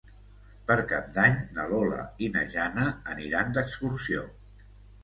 Per Cap d'Any na Lola i na Jana aniran d'excursió.